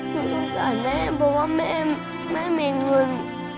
หนูรู้จักแม่บอกว่าแม่มีเงิน